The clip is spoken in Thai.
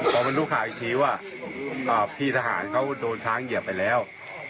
พอมารู้ข่าวอีกทีว่าพี่ทหารเขาโดนช้างเหยียบไปแล้ว